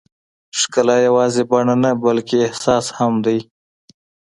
ښکلا یوازې بڼه نه، بلکې احساس هم دی.